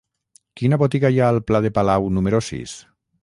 Quina botiga hi ha al pla de Palau número sis?